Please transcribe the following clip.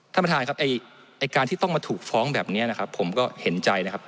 ท่านประธานครับไอ้การที่ต้องมาถูกฟ้องแบบนี้นะครับผมก็เห็นใจนะครับ